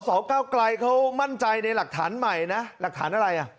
เก้าไกลเขามั่นใจในหลักฐานใหม่นะหลักฐานอะไรอ่ะ